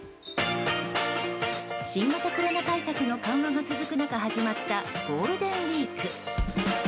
新型コロナ対策の緩和が続く中始まったゴールデンウィーク。